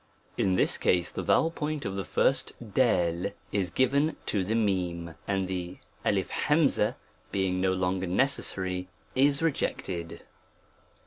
In this case, the vowel point of the first a is given to the ^ and the ^ being no longer necessary, is rejected.